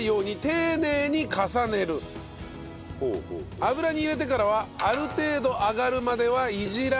油に入れてからはある程度揚がるまではいじらないと。